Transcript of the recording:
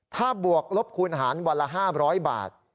ถ้าบวกลบคูณหารวันละ๕๐๐บาท